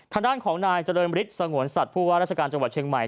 ทางด้านของนายเจริญฤทธิสงวนสัตว์ผู้ว่าราชการจังหวัดเชียงใหม่